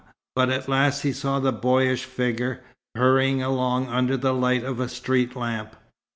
But at last he saw the boyish figure, hurrying along under the light of a street lamp.